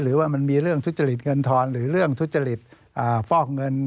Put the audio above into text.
หรือว่ามันมีเรื่องทุจริตเงินทอนหรือเรื่องทุจริตฟอกเงิน